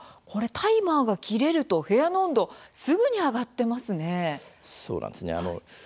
タイマーが切れると部屋の温度すぐに上がってますね。